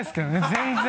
全然。